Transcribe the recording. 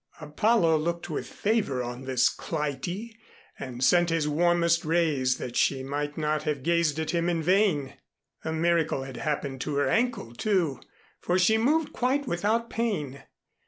Apollo looked with favor on this Clytië and sent his warmest rays that she might not have gazed at him in vain. A miracle had happened to her ankle, too, for she moved quite without pain.